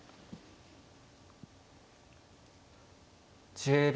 １０秒。